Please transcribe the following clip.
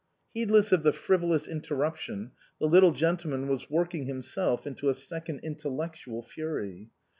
Heedless of the frivolous interruption, the little gentleman was working himself into a second intellectual fury.